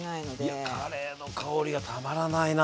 いやカレーの香りがたまらないな。